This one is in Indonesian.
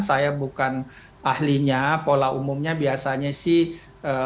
saya bukan ahlinya pola umumnya biasanya sih orang akan